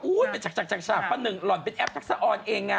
อู้ยเป็นฉักประหนึ่งหล่อนเป็นแอปจักษะออนเอง